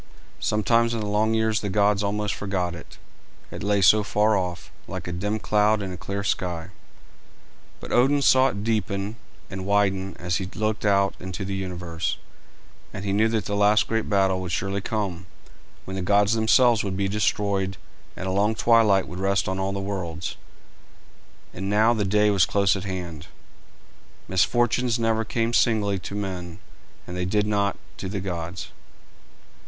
Sometimes in the long years the gods almost forgot it, it lay so far off, like a dim cloud in a clear sky; but Odin saw it deepen and widen as he looked out into the universe, and he knew that the last great battle would surely come, when the gods themselves would be destroyed and a long twilight would rest on all the worlds; and now the day was close at hand. Misfortunes never come singly to men, and they did not to the gods.